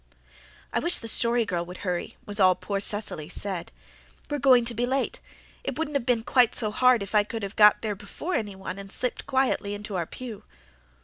"I wish the Story Girl would hurry," was all poor Cecily said. "We're going to be late. It wouldn't have been quite so hard if I could have got there before anyone and slipped quietly into our pew."